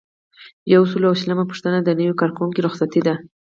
یو سل او شلمه پوښتنه د نوي کارکوونکي رخصتي ده.